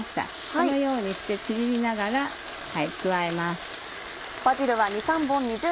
このようにしてちぎりながら加えます。